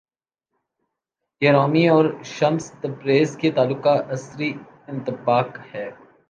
یہ رومی اور Shams Tabriz کے تعلق کا عصری انطباق ہے۔